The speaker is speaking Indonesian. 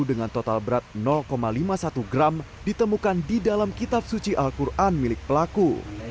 dengan total berat lima puluh satu gram ditemukan di dalam kitab suci al quran milik pelaku